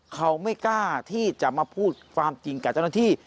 เขาไม่กล้าที่จะมาพูดความจริงกับเจ้าหน้าที่